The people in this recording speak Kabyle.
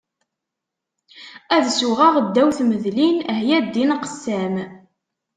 Ad suɣeɣ ddaw tmedlin, ah ya ddin qessam!